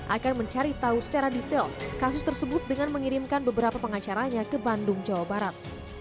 akan mencari tahu secara detail kasus tersebut dengan mengirimkan beberapa pengacaranya ke bandung jawa barat